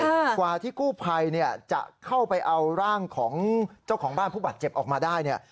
กว่าที่กู้ภัยเนี่ยจะเข้าไปเอาร่างของเจ้าของบ้านผู้บาดเจ็บออกมาได้เนี่ย